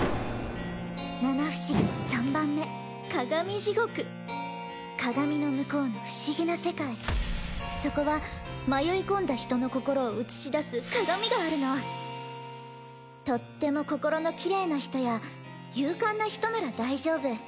七不思議の三番目カガミジゴク鏡の向こうの不思議な世界そこは迷い込んだ人の心を映し出す鏡があるのとっても心の綺麗な人や勇敢な人なら大丈夫